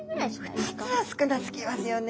２つは少なすぎますよね。